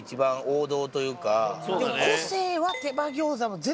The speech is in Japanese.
でも個性は。